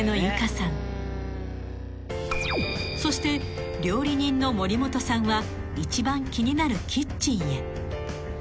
［そして料理人の森本さんは一番気になるキッチンへ］